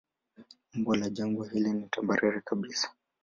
Umbo la jangwa hili ni tambarare kabisa.